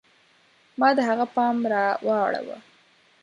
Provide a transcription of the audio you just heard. ما د هغه پام را واړوه.